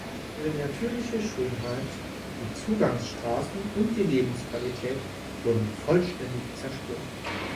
Ihre natürliche Schönheit, die Zugangsstraßen und die Lebensqualität wurden vollständig zerstört.